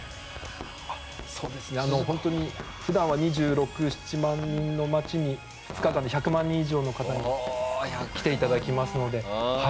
普段は２６２７万人の町に２日間で１００万人以上の方に来ていただきますので。